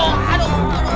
apa hanyalah luar biasa